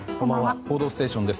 「報道ステーション」です。